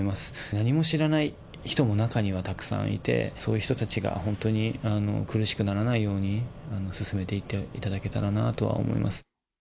何も知らない人も、中にはたくさんいて、そういう人たちが本当に苦しくならないように進めていっていただけたらなと思います。